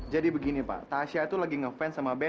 jadi begini pak tasha tuh lagi ngefans sama ben